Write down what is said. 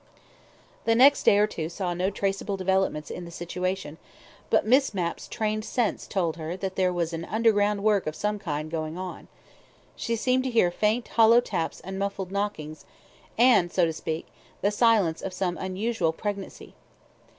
... The next day or two saw no traceable developments in the situation, but Miss Mapp's trained sense told her that there was underground work of some kind going on: she seemed to hear faint hollow taps and muffled knockings, and, so to speak, the silence of some unusual pregnancy.